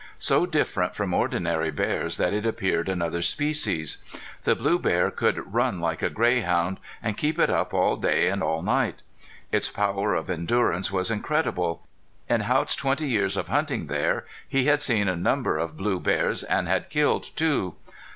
So different from ordinary bears that it appeared another species. The blue bear could run like a greyhound, and keep it up all day and all night. Its power of endurance was incredible. In Haught's twenty years of hunting there he had seen a number of blue bears and had killed two.